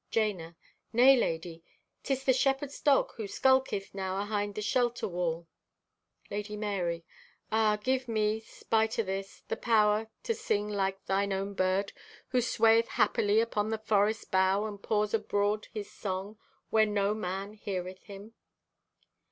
(Jana) "Nay, lady, 'tis the shepherd's dog who skulketh now ahind the shelter wall." (Lady Marye) "Ah, give me, spite o' this, the power to sing like Thine own bird who swayeth happily upon the forest bough and pours abroad his song where no man heareth him.